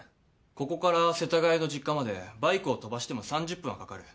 ここから世田谷の実家までバイクを飛ばしても３０分はかかる。